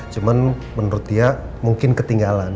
cuman menurut dia mungkin ketinggalan